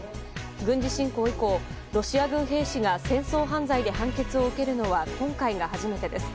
軍事侵攻以降ロシア軍兵士が戦争犯罪で判決を受けるのは今回が初めてです。